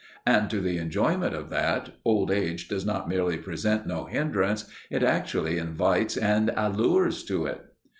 And to the enjoyment of that, old age does not merely present no hindrance it actually invites and allures to it.